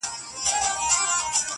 له شهبازونو هیري نغمې دي -